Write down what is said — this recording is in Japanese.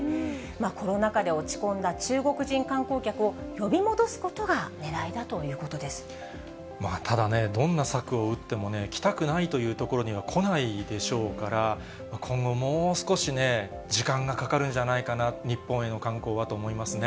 コロナ禍で落ち込んだ中国人観光客を呼び戻すことがねらいだといただね、どんな策を打ってもね、来たくないという所には来ないでしょうから、今後、もう少しね、時間がかかるんじゃないかな、日本への観光はと思いますね。